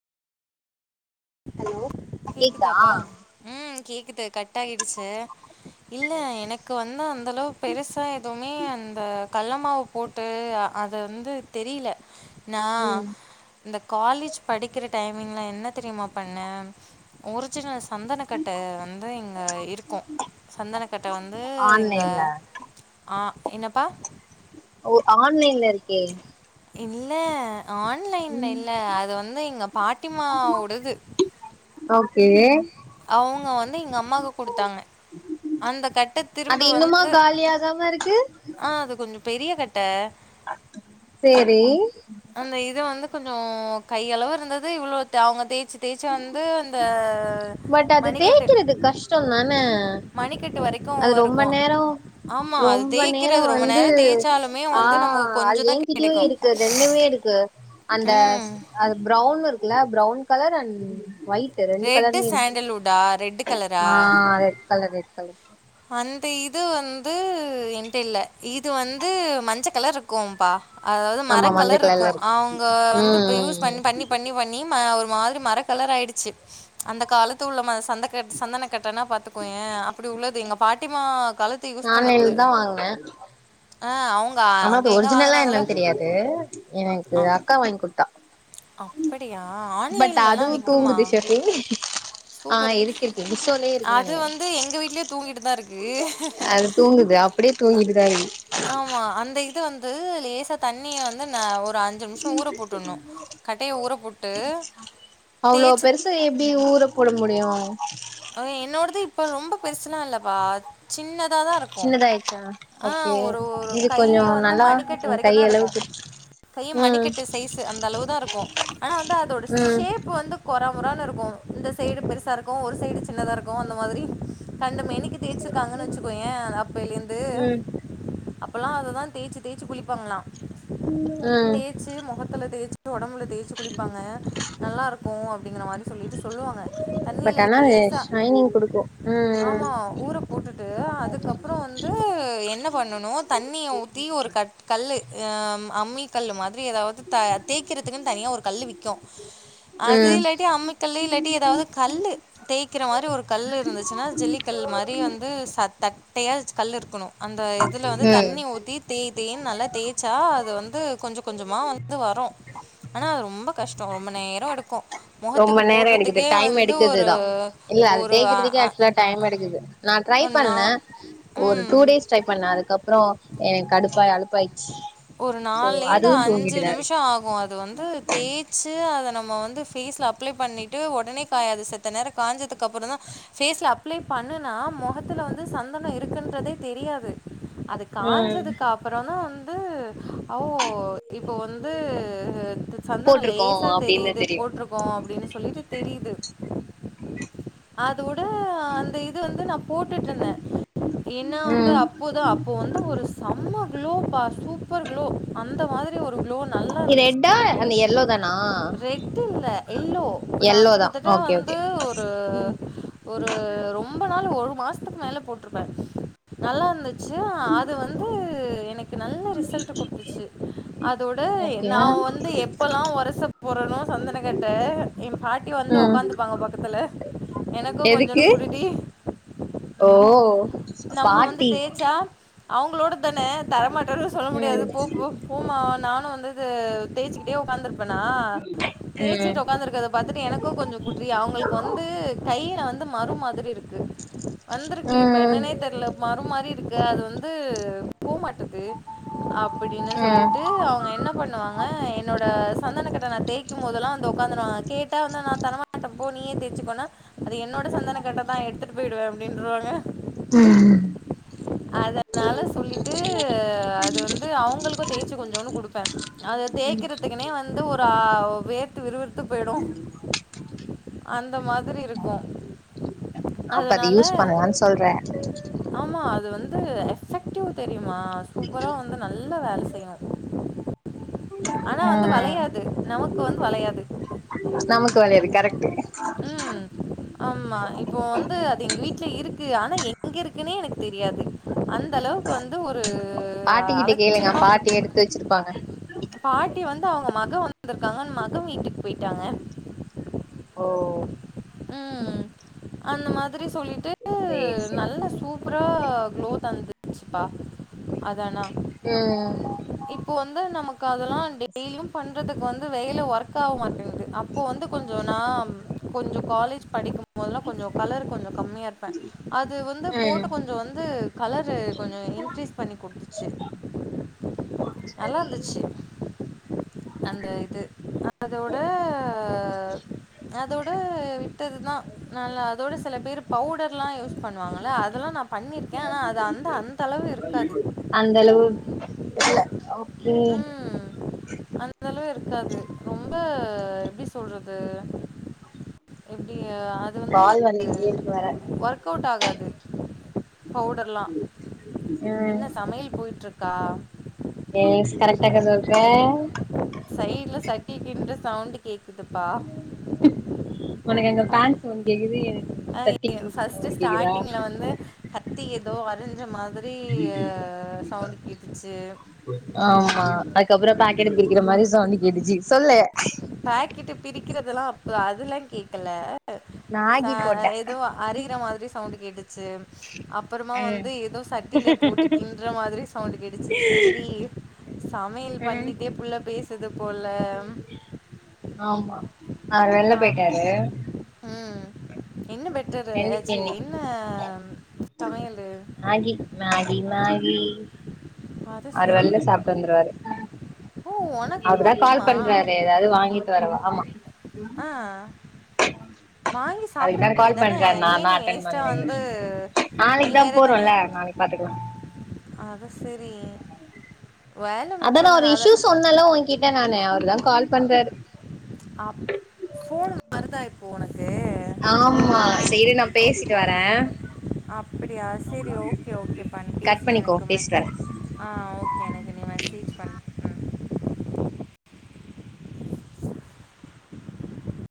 Hello கேக்குதா கேக்குதாப்பா ம் கேக்குது கட் ஆகிடுச்சு இல்ல எஸ் எனக் க்கு வந்து அந்தளவுக் பெருசா எதுவுமே அந்த கல்ல மாவு போட்டு அத ந்து தெரில நா ம் இந்த காலேஜ் படிக்கிற டைமிங்ல என்ன தெரியுமா பண்ண ஒரிஜினல் சந்தன கட்ட வந்து இங்க இருக்கூ சந்தனக் கட்ட வந்து இங்க ஆன்லைன்ல அ என்னப்பா ஓ ஆன்லைன்ல ருக்கே இல்ல ஆன்லைன்ல ம் இல்ல அது வந்து எங்க பாட்டிமாவொடது ஓக்கே அவுங்க வந்து எங்க அம்மாக்கு குடுத்தாங்க அந்த கட்ட திரும்ப வந்து காலி ஆகாமஇருக்கு அ அது கொஞ்சொ பெரிய கட்ட சேரி அந்த இது வந்து கொஞ்சோ கையளவு இருந்தது இவ்ளோ அவுங்க தேச்சு தேச்சு வந்து இந்த மணிக்கட்டு கஷ்டோ தானே மணிக்கட்டு வரைக்கும் அது ரொம்ப இருக்கும். நேரோ ஆமா. அது ரொம்ப நேரோ தேய்க்கிறது ரொம்ப வந்து நேரம் தேய்ச்சாலுமே ஆ வந்து நமக்கு அது கொஞ்சம் ஏ தான் கிட்டயு கிடைக்கும். இருக்கு ரெண்டுமே இருக்கு அந்த ம். அது ப்ரௌன் இருக்குல்ல brown colour and white ரெண்டு ரெட் கலருமே இருக்கு சாண்டல்வுட்டா? ரெட் கலரா? ஆ ரெட் கலர் ரெட் கலர் அந்த இது வந்து ஏன்ட்ட இல்ல இது வந்து மஞ்ச கலர் இருக்கும்பா அதாவது மர ஆமா மஞ்ச கலர் ருக்கு கலர்ல இருக்கு அவுங்க ம் வந்து இப்ப ம் யூஸ் ம் பண் பண்ணி பண்ணி பண் ணி ஒரு மாதுரி மர கலர் ஆயிடுச்சு அந்த காலத்து உள்ள ம சந்தக சந்தன கட்டனா பாத்துக் கோயே அப்டி உள்ளது எங்க பாட்டிமா காலத் நா ஆன்லைன்ல தா வாங்னே ஆ அவுங் ஆனா அது ஒரிஜினல்லா என்னன்னு தெரியாது எனக்கு அக்கா வாங்கி குடுத்தா அப்படியா பட் ஆன்லைன்லலா அதுவு விக்குமா தூங்குது ஷெஃபி ஆ சூப்பரு இருக்கு இருக்கு மீஷோலயே இருக்குன்னு அது நெனைக்கிறே வந்து எங்க வீட்லயு தூங்கிட்டுதா இருக் அது தூங்குது அப்டியே தூங்கிட்டுதா ஆமா அந்த இது வந்து லேசா தண்ணிய வந்து ந ஒரு அஞ்சு நிம்ஷோ ஊற போட்டுனு கட்டய ஊற போட்டு அவ்ளோ தேய்ச்சு பெருசு எப்டி ஊற போட முடியு ஓய் என்னோடது இப்ப ரொம்ப பெருசெல்லா இல்லபா சின்னதாதா இருக் கு சின்னதாயிடுச்சா ஆ ஓகே ஒரு ஒரு இது கைய கொஞ்சோ வந்து நல்லா மணிக்கட்டு எ வரைக்கு கை தா இருக்கு அளவுக்கு கை ம் மணிக்கட்டு சைஸு அந்த அளவு தா இருக்கு ஆனா வந்து அதோட ம் ஷேஃப் வந்து கொற முரானு இருக்கு இந்த சைடு பெருசா இருக்கு ஒரு சைடு சின்னதா இருக்கு அந்த மாதிரி கண்டமேனி க்கு தேச்சிருக்காங்கன்னு வச்சுக்கோயே அப்பேலந்து ம் அப்பல்லா அததா தேச்சு தேச்சு குளிப்பாங்ளா ம் ச்சு மொகத்துல தேச்சு ஒடம்புல தேச்சு குளிப்பாங்க நல்லா ருக்கு அப்டிங்கிற மாரி சொல்லிட்டு சொல்லுவாங்க பட் தண்ணில ஆனா அது லேசா ஷைனிங் குடுக்கு ம் ஆமா ஊற போட்டுட்டு அதுக்கப்றோ வந்து என்ன பண்ணனு தண்ணிய ஊத்தி ஒரு கட் கல்லு ம் அம்மி கல்லு மாதிரி ஏதாவுது த தேய்கிறதுக்குன்னு தனியா ஒரு கல்லு விக்கு அது ம் இல்லாட்டி அம்மி க ல்லு இல்லாட்டி ஏதாவுது கல்லு தேக்கிற மாரி ஒரு கல் இருந்துச்சுன்னா ஜல்லிக்கல் மாரி வந்து ச தட்டையா கல் இருக்கணு அந்த இதுல வந்து ம் ம் தண்ணி ஊத்தி தேய் தேய்ன்னு நல்லா தேச்சா அது வந்து கொஞ்சோ கொஞ்சமா வந்து வரு ஆனா அது ரொம்ப கஷ்டோ ரொம்ப நேரோ எடுக்கு ரொம்ப முகத்துக்கு நேரோ எடுக்குது போடுறதுக்கே டைம் வந்து எடுக்குது ஒரு தா இல்ல அத ஒரு தேக்கிறதுக்கே அ ஆக்சுவலா டைம் எடுக்குது நா ட்ரை ஒன்னா பண்ணே ஒரு டூ ம். டேஸ் ட்ரை பண்ணே அதுக்கப்றோ எனக் கடுப்பாய் அலுப்பாயிருச் ஒரு நால்லேந்து அஞ்சு நிம்ஷோ ஆகு அது வந்து தே ச்சு அத நம்ம வந்து ஃபேஸ்ல அப்ளை பண்ணிட்டு ஒடனே காயாது செத்த நேரோ காஞ்சதுக்கு அப்ற தா ஃபேஸ்ல அப்ளை பண்ணுனா மொகத்துல வந்து சந்தனோ இருக்குன்றதே தெரியாது அதுக் ம் காஞ்சதுக்கு அப்பறோ தா வந்து ஓ இப்ப வந்து சந்தனோ போட்ருக்கோ லேசா அப்டின்னு தெரியுது தெரியு போட்டிருக்கோ அப்டின் சொல்லீட்டு தெரியுது அதூட அந்த இது வந்து நம் போட்டுட்டுருந்தே ஏன்னா வந்து ம் அப்போதா அப்போ வந்து ஒரு செம்ம குளோ பா சூப்பர் குளோ அந்த மாதிரி ஒரு குளோ இது ரெட்டா அது எல்லோ தானா ரெட் இல்லை எல்லோ நான் எல்லோ தா கிட்டத்தட்ட ஓகே வந்து ஓகே கே ஒரு உம் ஒரு ரொம்ப நாள் ஒரு மாசத்துக்கு மேல போட்டுருப்பே நல்லா இருந்து ஜியா அது வந்து எனக் நல்ல ரிசல்ட் குடுத்துச்சு அதோட ஓகே நா வந்து எப் எப்பலா ஓரஷ போறணோ சந்தன கட்ட எ பாட்டி வந்து ம் உக்காந்துப்பாங்க பக்கத்துல எனக்கு கொஞ்சோன்டு எதுக்கு குடு டி ஓ நம்ம வந்து பார்ட்டி தேய்ஜா அவங்களோட தான தரமாட்டனு சொல்ல முடியாது ம் போ போ போமா நானு வந்து இது தேய்ச்சிக்கிட்டே உக்காந்துருப்பேனா ம் தேய்ச்சிட்டு உக்காந்து இருக்கத பாத்தட்டு எனக்கு கொஞ்சோ குடுரி அவங்களுக்கு வந்து கையில வந்து மரு மாதிரி இருக்கு வந்திருக்கு இப்ப ம் என்னன்னே தெரியல மறு மாறி இருக்கு அது வந்து போமாட்டது அப்படின் ம் சொல்லிட்டு அவங்க என்னப் இது பண்ணுவாங்க என்னோட சந்தன கட்ட நா தேய்கும் போதெல்லா வந்து உக்காந்துருவாங்க கேட்ட வந்து நா தரமா மாட்ட போ நீயே தேசுக்கோனா என்னோட சந்தன கட்ட தா எடுத்துட்டு போயிடுவே அப்பிடின்றுவாங்க ம் அதனால சொல்லிட்டு ஆ அது வந்து அவங்களுக்கு தேய்ச்சு கொஞ்சோன்னு குடுப்பே அது தேய்க்கறதுக்குனே வந்து ஒரு ஆ வேர்த்து விறுவிறுத்து போயிடு அந்த மாதிரி இருக்கு அப்ப அது அதனால யூஸ் பண்ணலான்னு சொல்ற ஆமா அது வந்து எஃபெக்டிவ் தெரியுமா சூப்பரா வந்து நல்லா வேல செய்யு ஆனா வந்து ம் வளையாது நமக்கு வந்து வளையாது நமக்கு வளையாது கரெக்ட்டு ம் ஆம்மா இப்போ வந்து அது எங்க வீட்ல இருக்கு ஆனா எங்க இருக்குன்னே எனக்கு தெரியாது அந்த அளவுக்கு வந்து ஒரு பாட்டி கிட்ட கேளுங்க அலட்சியமா போ பாட்டி எடுத்து வச்சிருப்பாங்க பாட்டி வந்து அவ்ங்க மக வந்திருக்காங்கனு மக வீட்டுக்கு போயிட்டாங்க ஓ ம்ம்ம் அந்த மாதிரி சொல்லிட்டு சேரி வந்து சேரி நல்ல சூப்பரா க்ளோ தந்துச்சுப்பா அது ஆனா ம் இப்போ வந்து நமக்கு அதெல்லா டெய்லியு பண்றதுக்கு வந் ந்து வெயில ஒர்க் ஆக மாட்டேகுது அப்போ வந்து கொஞ்சோ நா கொஞ்சோ காலேஜ் படிக்கும் முதலா கொஞ்சோ கலர் கொஞ்சோ கம்மியா இருப்பே அது வந்து போட்டு ம் கொஞ்சோ வந்து கலரு கொஞ்சோ இன்க்ரீஸ் பண்ணி கொடுத்துச்சு நல்லா சரி இருந்துச்சு அந்த இது அதோட அதோட வி டது தா நல்ல அதோட சில பேர் பவுடர்லா யூஸ் பண்ணுவாங்கள அதெல்லா நாபண்ணிருக்கே ஆனா அது அந்த அந்த அந்தளவு இருக்காது அந்தளவு இல்ல ஓகே அந்தளவு இருக்காது ரொம்ப எப்டி சொல்றது எப்டி அது வந்து கால் வந்துகிட்டே இருக்கு வேற ஒர்க் அவுட் ஆகாது பவுடர்லா ம் என்ன சமையல் போய்ட்ருக்கா எஸ் கரெக்டா கண்டுபுடிச்ச சைட்ல சட்டிக்கின்ற சவுண்டு கேக்குதுப்பா ஒனக்கு அங்க ஃபேன் சவுண்ட் கேக்குது எனக்கு இங்க சட்டி கின்ற ஃபஸ்ட்டு சவுண்டு கேக்குதா ஸ்டார்டிங்கில் வந்து கத்தி எதோ அரிஞ்ச மாத [unintelligible] சவுண்டு கேட்டுச்சு ஆமா அதுக்கப்றோ பாக்கெட்ட பிரிக்கிற மாரி சவுண்டு கேட்டுச்சு சொல்லு பாக்கெட்டு பிரிக்கிறதெல்லா அப் அதல்லா கேக்கல ச மேகி போட்டே எ தோ வா அரிற மாத்ரி சவுண்டு கேட்டுச்சு அப் பறமா வந்து எதோ சட்டில போட்டு கின்ற மாத்ரி சவுண்டு கேட்டுச்சு சேரி சமையல் ம் பண்ணிட்டே புள்ள பேசுது போல ஆமா அவரு வெள்ல ஆ, போய்ட்டாரு ம் என்ன பெட்டரு அ ச்சீ என்ன சமயலு மேகி மேகி மேகி அது அவரு சரி வெள்ல சாப்ட்டு வந்துருவாரு ஓ! உனக்கு அவர்தா கால் மட்டுமா? பண்றாரு எதாவ்து வாங்கிட்டு வரவா ஆமா ஆ வாங்கி சாப்ட அதுக்குதா கால் வேண்டிதானே பண்றாரு ஏ நீ வேஸ்ட்டா வந்து நாளைக் தா போறோல நாளைக் பாத்துக்லா அத செரி அதா நா ஒரு அத இஷ்யூ சொன்னேல்ல ஒ கிட்ட நானு அவரு தா கால் பண்றாரு அப் ஃபோனு வருதா இப்போ ஒனக்கு ஆமா இத இரு நா பேசிட்டு வரே அப்பிடியா சேரி ஓகே ஓகேப்பா நீ கட் பேசிட்டு பண்ணிக்கோ எனக்கு மெ பேசிட்டு வரே ஆ ஓகே எனக்கு நீ மெசேஜ் பண்ணு ம்